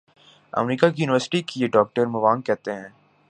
امریکہ کی یونیورسٹی کیے ڈاکٹر موانگ کہتے ہیں